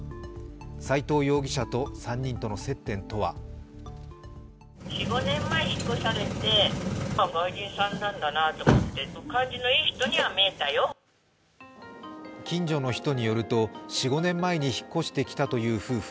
斎藤容疑者と３人との接点とは近所の人によると、４５年前に引っ越してきたという夫婦。